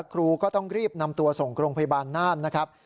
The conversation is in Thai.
ครูก็ต้องรีบนำตัวส่งโรงพยาบาลน่านนะครับ